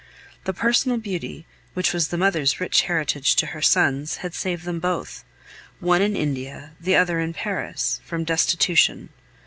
The personal beauty, which was the mother's rich heritage to her sons, had saved them both one in India, the other in Paris from destitution.